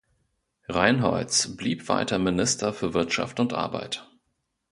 Reinholz blieb weiter Minister für Wirtschaft und Arbeit.